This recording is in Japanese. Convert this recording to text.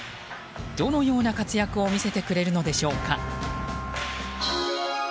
どのような活躍を見せてくれるのでしょうか。